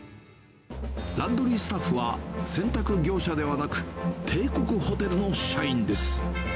ランドリースタッフは、洗濯業者ではなく、帝国ホテルの社員です。